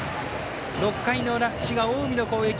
６回の裏、滋賀・近江の攻撃。